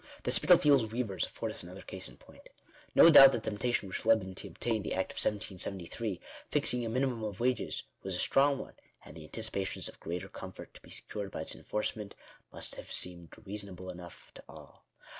The Spitalfields weavers afford us another case in point. No doubt the temptation which led them to obtain the Act of 1773, fixing a minimum of wages, was a strong one; and the anticipations of greater comfort to be secured by its en forcement must have seemed reasonable enough to all.